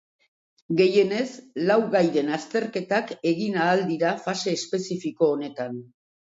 Gehienez, lau gairen azterketak egin ahal dira fase espezifiko honetan.